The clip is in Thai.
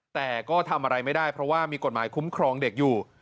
แต่ก็ทำอะไรไม่ได้เพราะว่ามีกฎหมายคุ้มครองเด็กอยู่